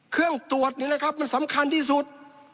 เครื่องตรวจนี่นะครับมันสำคัญที่สุด